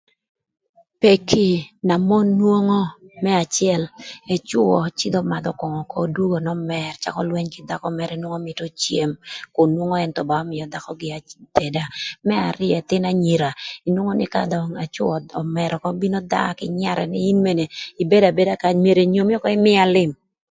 Peki na mon nwongo më acël ëcwö öcïdhö ömadhö köngö ökö dwogo n'ömër cakö lwëny kï dhakö mërë nwongo mïtö cem onwongo ën thon ba ömïö dhakö gi ateda, më arïö ëthïn anyira nwongo ka dong ëcwö thon ömër ökö bino dha kï nyarë nï in mene ibeda abeda kany myero enyomi ökö ïmïa lïm.